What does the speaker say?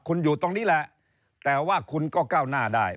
คุณอยู่ตรงนี้แหละแต่ว่าคุณก็ก้าวหน้าได้